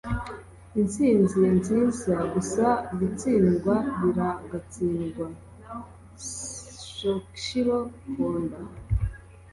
intsinzi ninziza gusa gutsindwa biragatsindwa. - soichiro honda